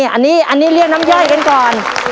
อันนี้เรียกน้ำย่อยกันก่อน